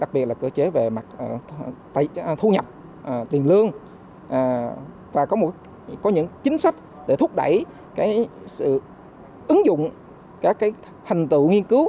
đặc biệt là cơ chế về mặt thu nhập tiền lương và có những chính sách để thúc đẩy sự ứng dụng các thành tựu nghiên cứu